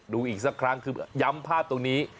ดูอีกสักครั้งคือย้ำภาพตรงนี้